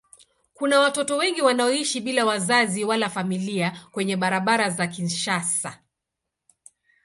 Kuna watoto wengi wanaoishi bila wazazi wala familia kwenye barabara za Kinshasa.